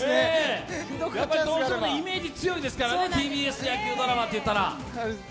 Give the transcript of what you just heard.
中尾君もイメージ強いですからね、ＴＢＳの野球のドラマといえば。